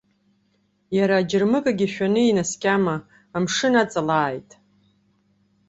Иара аџьармыкьагьы шәаны инаскьама, амшын аҵалааит!